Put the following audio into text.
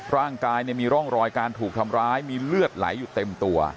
ร่างกายมีร่องรอยการถูกทำร้ายมีเลือดไหลอยู่เต็มตัว